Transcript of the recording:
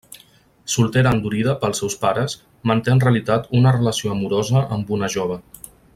Soltera endurida pels seus pares, manté en realitat una relació amorosa amb una jove.